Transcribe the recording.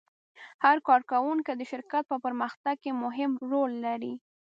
هر کارکوونکی د شرکت په پرمختګ کې مهم رول لري.